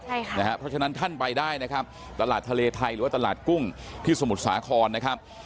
เพราะฉะนั้นท่านไปได้นะครับตลาดทะเลไทยหรือว่าตลาดกุ้งที่สมุทรสาครนะครับ